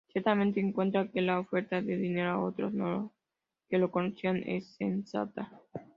Ciertamente, encuentra que la oferta de dinero a otros que lo necesitan es sensata.